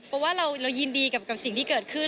เพราะว่าเรายินดีกับสิ่งที่เกิดขึ้น